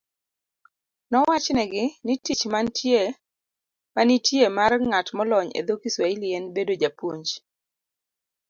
Nowachnigi ni tich manitie mar ng'at molony e dho Kiswahili en bedo japuonj